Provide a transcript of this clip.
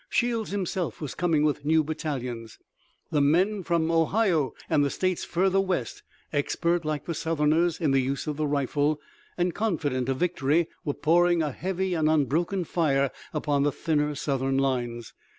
Shields himself was coming with new battalions. The men from Ohio and the states further west, expert like the Southerners in the use of the rifle, and confident of victory, were pouring a heavy and unbroken fire upon the thinner Southern lines.